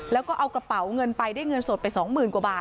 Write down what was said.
แล้วก็เอากระเป๋าเงินไปได้เงินสดไปสองหมื่นกว่าบาท